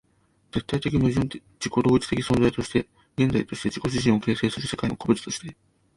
絶対矛盾的自己同一的現在として自己自身を形成する世界の個物として、